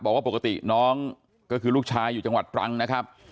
บอกว่าปกติน้องก็คือลูกชายอยู่จังหวัดตรังนะครับ